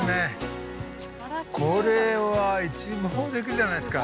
これは一望できるじゃないですか。